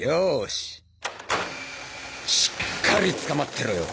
しっかりつかまってろよ